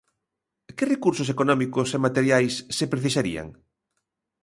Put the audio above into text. ¿Que recursos económicos e materiais se precisarían?